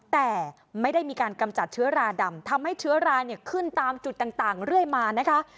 แต่ไม่ได้มีการกำจัดเชื้อราดำทำให้เชื้อราเนี่ยขึ้นตามจุดต่างเรื่อยมานะคะ